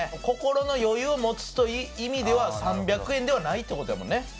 心の余裕を持つという意味では３００円ではないってことやもんね？